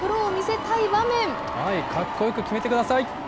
かっこよく決めてください。